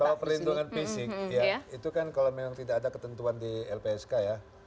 kalau perlindungan fisik ya itu kan kalau memang tidak ada ketentuan di lpsk ya